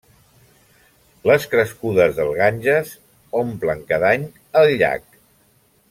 Les crescudes del Ganges omplen cada any el llac.